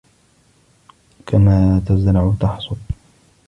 كما تزرع تحصد